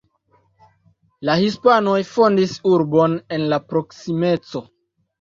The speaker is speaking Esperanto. La hispanoj fondis urbon en la proksimeco.